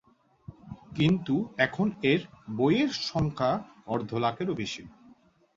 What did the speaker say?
কিন্তু এখন এর বই এর সংখ্যা অর্ধ লাখের ও বেশি।